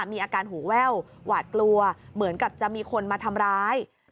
มีอาการหูแว่วหวาดกลัวเหมือนกับจะมีคนมาทำร้าย